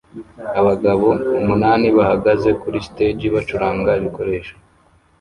Abagabo umunani bahagaze kuri stage bacuranga ibikoresho